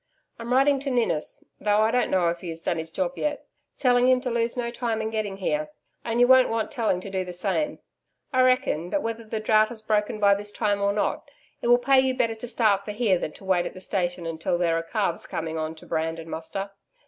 I'm writing to Ninnis though I don't know if he has done his job yet telling him to lose no time in getting here; and you won't want telling to do the same. I reckon that whether the drought has broken by this time or not, it will pay you better to start for here than to wait at the station until there are calves coming on to brand and muster.